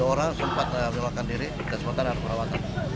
dua orang sempat melewakan diri dan sementara ada perawatan